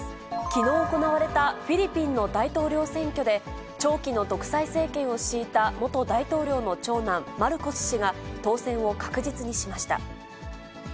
きのう行われたフィリピンの大統領選挙で、長期の独裁政権を敷いた元大統領の長男、マルコス氏が、当選を確実にしました。